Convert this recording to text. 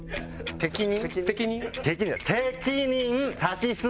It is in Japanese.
適任？